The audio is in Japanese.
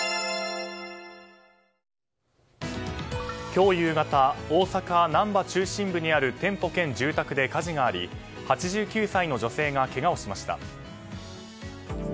今日夕方大阪なんば中心部にある店舗兼住宅で火事があり８９歳の女性がけがをしました。